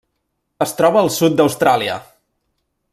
Es troba al sud d'Austràlia: